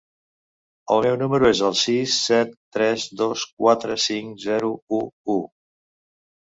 El meu número és el sis set tres dos quatre cinc zero u u.